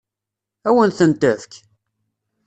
Ad wen-ten-tefk?